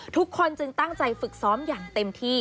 ทุกคนจึงตั้งใจฝึกซ้อมอย่างเต็มที่